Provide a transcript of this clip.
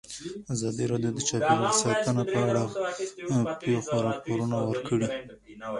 ازادي راډیو د چاپیریال ساتنه په اړه د پېښو رپوټونه ورکړي.